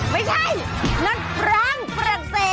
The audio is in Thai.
ไม่ใช่นัดฟรานก์เตรกเซ